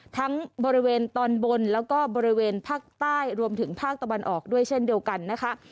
ทั้งบริเวณตอนบนแล้วก็บริเวณภาคใต้รวมถึงภาคตะวันออกด้วยเช่นเดียวกันนะคะ